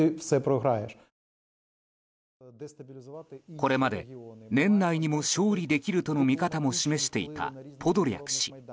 これまで年内にも勝利できるとの見方も示していたポドリャク氏。